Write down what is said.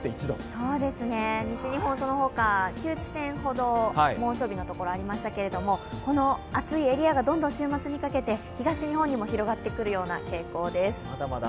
西日本、そのほか９地点ほど猛暑日のところがありましたけど、暑いエリアがどんどん週末にかけて東日本にも広がってくるような傾向です。